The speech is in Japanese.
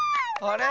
あれ？